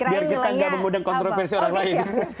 biar kita gak mengundang kontroversi orang lain